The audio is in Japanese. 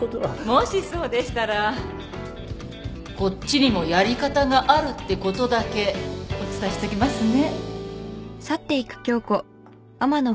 もしそうでしたらこっちにもやり方があるってことだけお伝えしときますね。